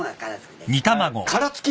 殻付き？